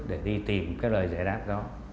để đi tìm cái lời giải đáp đó